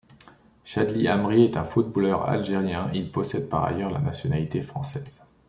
Chadli Amri est un footballeur algérien, il possède par ailleurs la nationalité française.